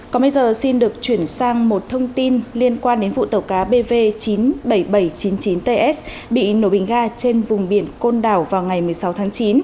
còn bây giờ xin được chuyển sang một thông tin liên quan đến vụ tàu cá bv chín mươi bảy nghìn bảy trăm chín mươi chín ts bị nổ bình ga trên vùng biển côn đảo vào ngày một mươi sáu tháng chín